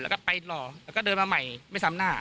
แล้วก็ไปหล่อแล้วก็เดินมาใหม่ไม่ซ้ำหน้า